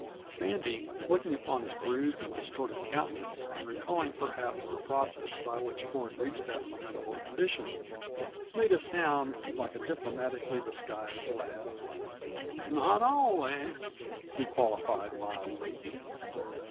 Sandy, looking upon his bruised and distorted countenance and recalling, perhaps, the process by which Ford reached that lamentable condition, made a sound like a diplomatically disguised laugh. "Not always," he qualified mildly.